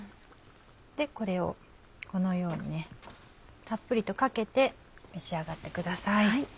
これをこのようにたっぷりとかけて召し上がってください。